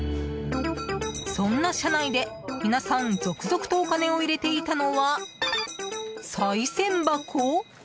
そんな車内で、皆さん続々とお金を入れていたのはさい銭箱？